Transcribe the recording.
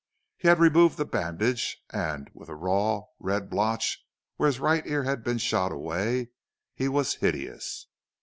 He had removed the bandage, and with a raw, red blotch where his right ear had been shot away, he was hideous.